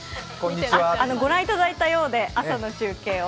御覧いただいたようで朝の中継を。